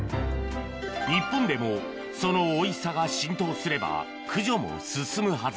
日本でもそのおいしさが浸透すれば駆除も進むはず